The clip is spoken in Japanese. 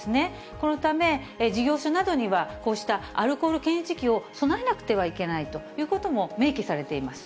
このため、事業所などにはこうしたアルコール検知器を備えなくてはいけないということも明記されています。